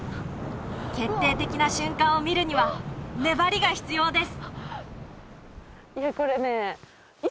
決定的な瞬間を見るには粘りが必要です